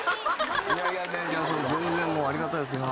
いやいや全然全然もうありがたいですけど。